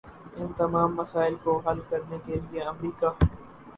ان تمام مسائل کو حل کرنے کے لیے امریکہ